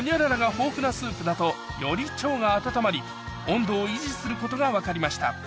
豊富なスープだとより腸が温まり温度を維持することが分かりました